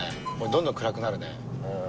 どんどん暗くなるね。